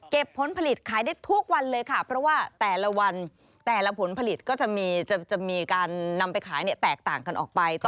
ผลผลิตขายได้ทุกวันเลยค่ะเพราะว่าแต่ละวันแต่ละผลผลิตก็จะมีการนำไปขายแตกต่างกันออกไป